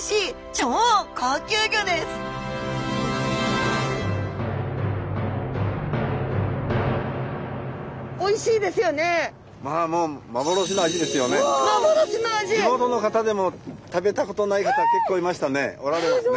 地元の方でも食べたことない方結構いましたね。